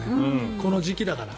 この時期だから。